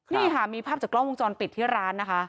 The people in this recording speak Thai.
นี่ค่ะมีภาพจากกล้องวงจรปิดที่ร้านนะคะ